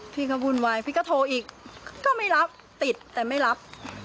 พี่ก็วุ่นวายพี่ก็โทรอีกก็ไม่รับติดแต่ไม่รับ